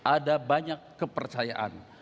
ada banyak kepercayaan